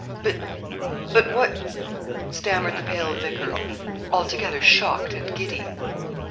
"' 'But but what' stammered the pale vicar, altogether shocked and giddy.